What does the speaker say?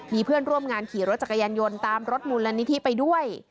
มีเพื่อนร่วมงานขี่รถจักรยานยนต์ตามรถมูลนิธิไปด้วย